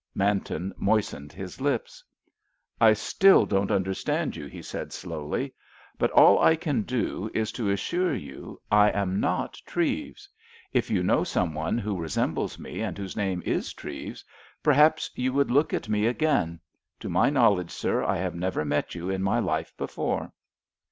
Manton moistened his lips. "I still don't understand you," he said slowly. "But all I can do is to assure you I am not Treves. If you know some one who resembles me and whose name is Treves, perhaps you would look at me again. To my knowledge, sir, I have never met you in my life before."